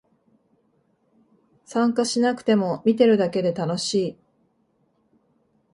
参加しなくても見てるだけで楽しい